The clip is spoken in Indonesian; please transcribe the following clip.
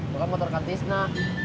bukan motor kak antisna